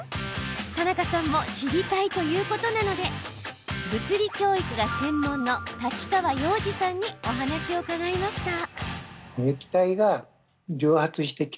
田中さんも知りたいということなので物理教育が専門の滝川洋二さんにお話を伺いました。